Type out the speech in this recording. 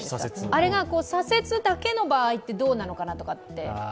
あれが左折だけの場合ってどうなのかなって。